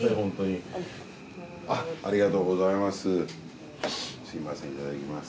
ありがとうございます。